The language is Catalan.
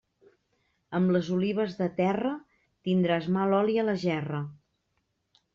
Amb les olives de terra tindràs mal oli a la gerra.